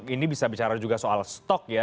ini bisa bicara juga soal stok ya